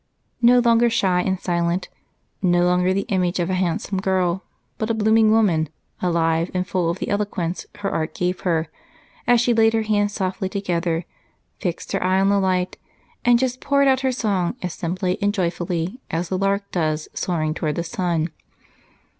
No longer shy and silent, no longer the image of a handsome girl but a blooming woman, alive and full of the eloquence her art gave her, as she laid her hands softly together, fixed her eye on the light, and just poured out her song as simply and joyfully as the lark does soaring toward the sun.